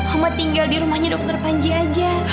oma tinggal dirumahnya dokter panji aja